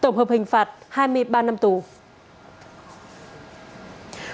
tổng hợp hình phạt hai mươi ba năm tuổi